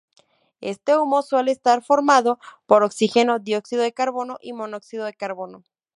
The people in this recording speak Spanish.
Este humo suele estar formado por oxígeno, dióxido de carbono y monóxido de carbono.